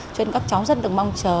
cho nên các cháu rất được mong chờ